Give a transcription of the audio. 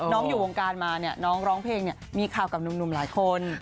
น้องอยู่วงการมาเนี่ยน้องร้องเพลงเนี่ยมีข่าวกับหนุ่มหลายคน